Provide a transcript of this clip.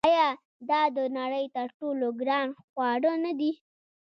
آیا دا د نړۍ تر ټولو ګران خواړه نه دي؟